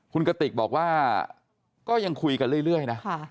คุณกติกบอกว่าก็ยังคุยกันเรื่อยนะ